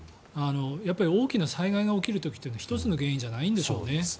やっぱり大きな災害が起きる時というのは１つの原因じゃないんでしょうね。